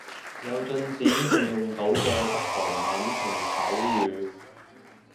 有進展仲用到嘅得韓文同手語